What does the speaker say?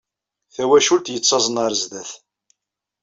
Tawacult yettaẓen ɣer sdat.